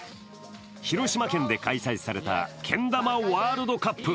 広島県で開催されたけん玉ワールドカップ。